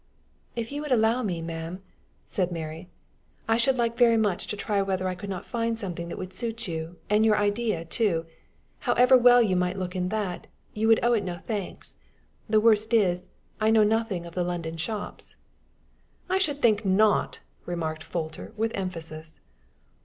"If you would allow me, ma'am," said Mary, "I should like much to try whether I could not find something that would suit you and your idea too. However well you might look in that, you would owe it no thanks. The worst is, I know nothing of the London shops." "I should think not!" remarked Folter, with emphasis.